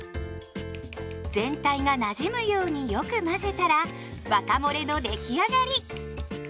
全体がなじむようによく混ぜたらワカモレの出来上がり。